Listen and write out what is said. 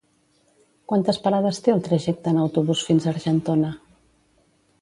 Quantes parades té el trajecte en autobús fins a Argentona?